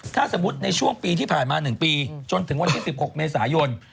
ถ้าสมมุติในช่วงปีที่ผ่านมา๑ปีจนถึงวันที่๑๖เมษายน